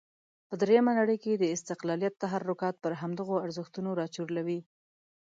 په درېمه نړۍ کې د استقلالیت تحرکات پر همدغو ارزښتونو راچورلوي.